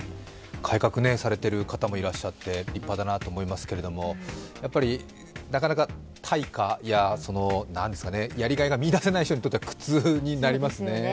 改革されている方もいらっしゃって立派だなと思いますけれども、なかなか対価や、やりがいが見出せない人にとっては苦痛になりますね。